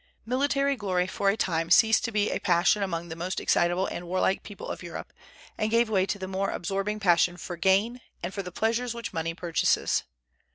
Military glory for a time ceased to be a passion among the most excitable and warlike people of Europe, and gave way to the more absorbing passion for gain, and for the pleasures which money purchases.